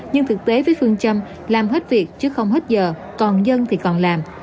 nhưng thực tế với phương châm làm hết việc chứ không hết giờ còn dân thì còn làm